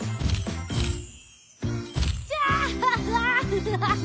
アハハハ！